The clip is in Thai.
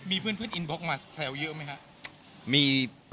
มีเพื่อนอินบล็อกมาแซวเยอะไหมครับ